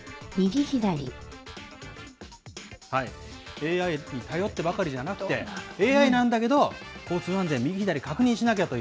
ＡＩに頼ってばかりじゃなくて、ＡＩなんだけど、交通安全、右左確認しなきゃと。